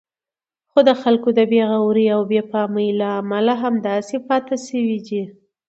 خو د خلکو بې غورئ او بې پامۍ له امله همداسې پاتې شوی دی.